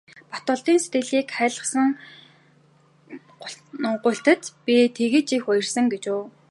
Батболдын сэтгэл хайлгасан гуйлтад би тэгж их уярсан гэж үү.